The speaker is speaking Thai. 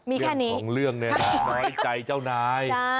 เรื่องของเรื่องเนี่ยน้อยใจเจ้านาย